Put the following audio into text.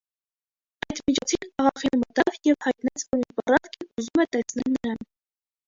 Այդ միջոցին աղախինը մտավ և հայտնեց, որ մի պառավ կին ուզում է տեսնել նրան: